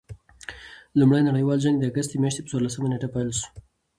لومړي نړۍوال جنګ د اګسټ د میاشتي پر څوارلسمه نېټه پيل سو.